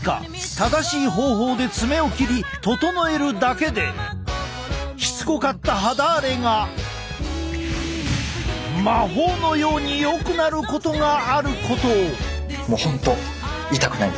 正しい方法で爪を切り整えるだけでしつこかった肌荒れが魔法のようによくなることがあることを！